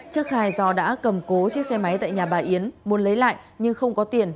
trước khai do đã cầm cố chiếc xe máy tại nhà bà yến muốn lấy lại nhưng không có tiền